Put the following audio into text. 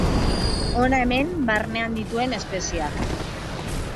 Hona hemen barnean dituen espezieak.